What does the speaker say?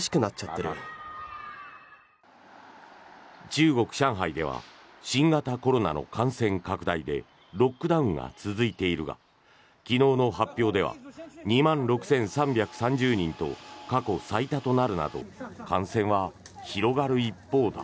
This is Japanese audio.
中国・上海では新型コロナの感染拡大でロックダウンが続いているが昨日の発表では２万６３３０人と過去最多となるなど感染は広がる一方だ。